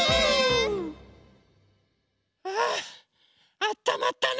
ああったまったね。